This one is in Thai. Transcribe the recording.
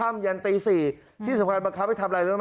ห่ามเย็นตี๔ที่สำคัญบังคับทวิดักทำแรงเล่ม